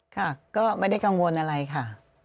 ค่ะก็ไม่ได้กังวลอะไรค่ะ